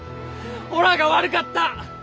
おらが悪がった。